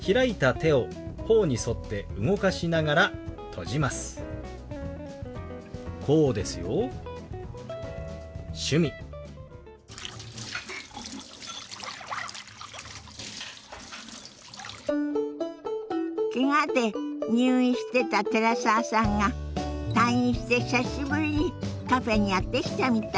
けがで入院してた寺澤さんが退院して久しぶりにカフェにやって来たみたい。